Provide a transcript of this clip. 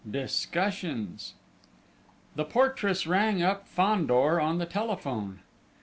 XVI DISCUSSIONS The portress rang up Fandor on the telephone.